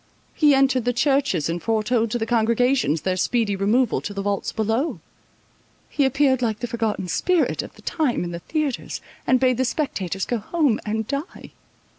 He entered the churches, and foretold to the congregations their speedy removal to the vaults below. He appeared like the forgotten spirit of the time in the theatres, and bade the spectators go home and die.